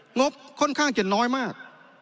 งบค่อนข้างจะน้อยมาก